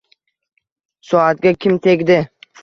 Soatga kim tegdi?